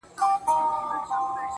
وړونه مي ټول د ژوند پر بام ناست دي.